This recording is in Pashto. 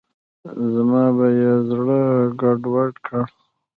زما به یې زړه ګډوډ کړ.